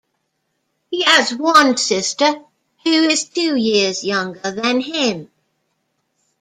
He has one sister, who is two years younger than him.